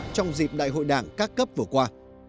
trong dịp đại hội đảng các cấp vừa qua